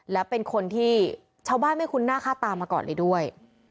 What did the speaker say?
และเป็นคนที่ชาวบ้านไม่คุ้นหน้าค่าตามาก่อนเลยด้วย